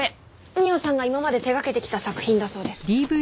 美緒さんが今まで手掛けてきた作品だそうです。